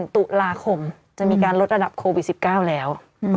ตุลาคมจะมีการลดระดับโควิด๑๙แล้ว